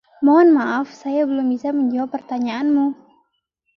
Mohon maaf, saya belum bisa menjawab pertanyaanmu.